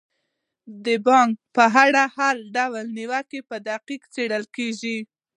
د بانک په اړه هر ډول نیوکه په دقت څیړل کیږي.